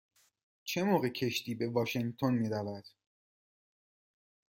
چه موقع کشتی به واشینگتن می رود؟